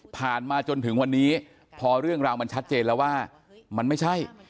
มาจนถึงวันนี้พอเรื่องราวมันชัดเจนแล้วว่ามันไม่ใช่